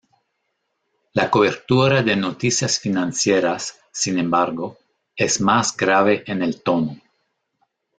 La cobertura de noticias financieras, sin embargo, es más grave en el tono.